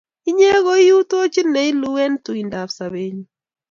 Inye koi u tochit ne iluu eng' tuindap sobennyu.